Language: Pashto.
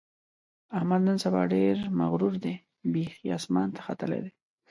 احمد نن سبا ډېر مغرور دی؛ بیخي اسمان ته ختلی دی.